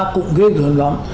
cũng ghê gần lắm